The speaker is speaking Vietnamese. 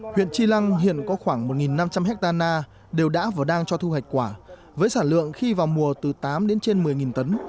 huyện tri lăng hiện có khoảng một năm trăm linh hectare na đều đã và đang cho thu hoạch quả với sản lượng khi vào mùa từ tám đến trên một mươi tấn